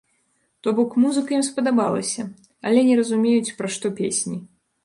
То бок музыка ім спадабалася, але не разумеюць, пра што песні.